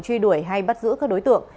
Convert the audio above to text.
truy đuổi hay bắt giữ các đối tượng